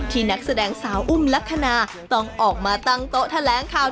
นักแสดงสาวอุ้มลักษณะต้องออกมาตั้งโต๊ะแถลงข่าว